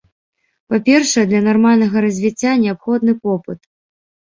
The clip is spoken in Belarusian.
Па-першае, для нармальнага развіцця неабходны попыт.